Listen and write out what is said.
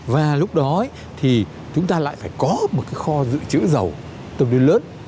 và lúc đó thì chúng ta lại phải có một cái kho dự trữ dầu tương đối lớn